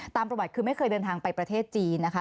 ตามประวัติคือไม่เคยเดินทางไปประเทศจีนนะคะ